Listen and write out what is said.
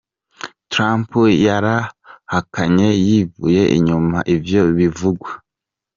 Trump yarahakanye yivuye inyuma ivyo bivugwa.